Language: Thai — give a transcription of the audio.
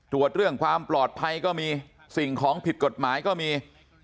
ตรวจเรื่องความปลอดภัยก็มีสิ่งของผิดกฎหมายก็มี